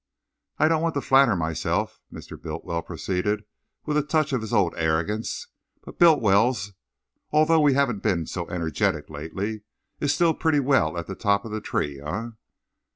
I don't want to flatter myself," Mr. Bultiwell proceeded, with a touch of his old arrogance, "but Bultiwell's, although we haven't been so energetic lately, is still pretty well at the top of the tree, eh?"